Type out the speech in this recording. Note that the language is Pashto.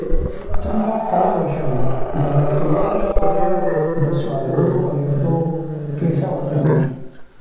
څنګه کولی شم د ماشومانو لپاره د سوالګرو فرښتو کیسه وکړم